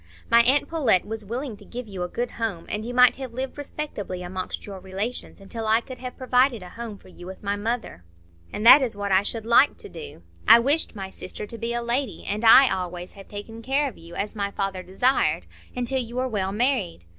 My aunt Pullet was willing to give you a good home, and you might have lived respectably amongst your relations, until I could have provided a home for you with my mother. And that is what I should like to do. I wished my sister to be a lady, and I always have taken care of you, as my father desired, until you were well married.